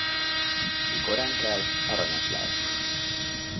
Ki korán kel, aranyat lel.